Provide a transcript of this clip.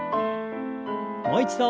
もう一度。